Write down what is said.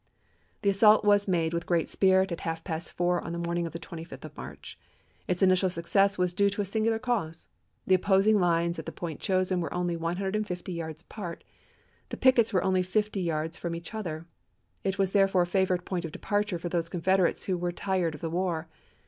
The assault was made with great spirit at half past four on the morning of the 25th of March. Its initial success was due to a singular cause. The opposing lines at the point chosen were only 150 yards apart ; the pickets were only fifty yards from Vol. X.— 11 162 ABBAHAM LINCOLN chap. viii. each other; it was therefore a favorite point of departure for those Confederates who were tired of the war.